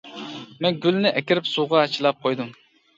مەن گۈلنى ئەكىرىپ سۇغا چىلاپ قويدۇم.